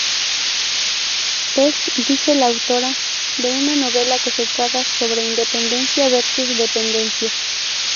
Es, dice la autora, de una novela que trata sobre independencia versus dependencia.